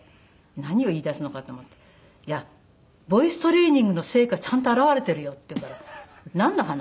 何を言い出すのかと思ったら「いやボイストレーニングの成果ちゃんと表れてるよ」って言うから「なんの話？」